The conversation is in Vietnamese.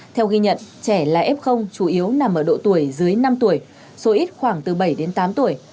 theo ghi nhận trẻ là f chủ yếu nằm ở độ tuổi dưới năm tuổi số ít khoảng từ bảy đến tám tuổi